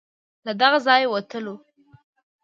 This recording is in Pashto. له دغه ځای ووتلو.